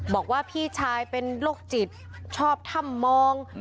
บอกว่าพี่ชายเป็นโรคจิตชอบถ้ำมอง